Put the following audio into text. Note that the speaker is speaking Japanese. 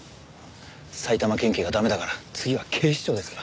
埼玉県警が駄目だから次は警視庁ですか。